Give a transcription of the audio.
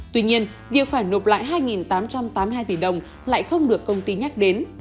tuy nhiên việc phải nộp lại hai tám trăm tám mươi hai tỷ đồng lại không được công ty nhắc đến